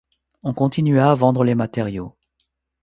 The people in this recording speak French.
On continua à vendre les matériaux.